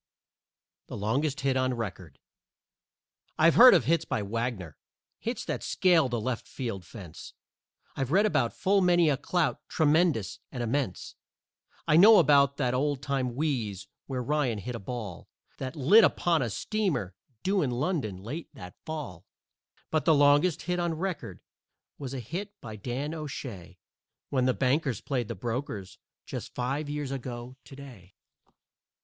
THE LONGEST HIT ON RECORD I've heard of hits by Wagner, hits that scaled the left field fence, I've read about full many a clout tremendous and immense; I know about that old time wheeze where Ryan hit a ball That lit upon a steamer due in London late that Fall. But the longest hit on record was a hit by Dan O'Shay When the Bankers played the Brokers just five years ago to day.